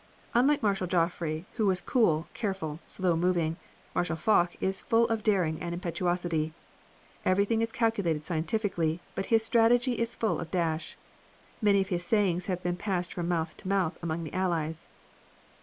Unlike Marshal Joffre who was cool, careful, slow moving, Marshal Foch is full of daring and impetuosity. Everything is calculated scientifically but his strategy is full of dash. Many of his sayings have been passed from mouth to mouth among the Allies.